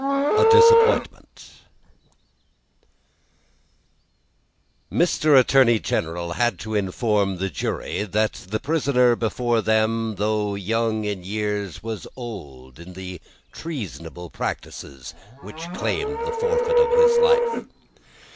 A Disappointment Mr. Attorney General had to inform the jury, that the prisoner before them, though young in years, was old in the treasonable practices which claimed the forfeit of his life.